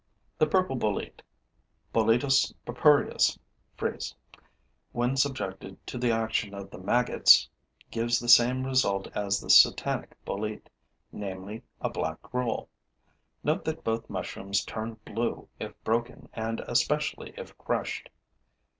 The purple bolete (Boletus purpureus, FRIES), when subjected to the action of the maggots, gives the same result as the Satanic bolete, namely, a black gruel. Note that both mushrooms turn blue if broken and especially if crushed.